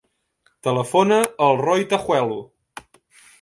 Telefona al Roi Tajuelo.